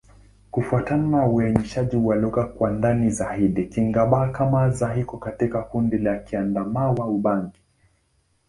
Kufuatana na uainishaji wa lugha kwa ndani zaidi, Kingbaka-Manza iko katika kundi la Kiadamawa-Ubangi.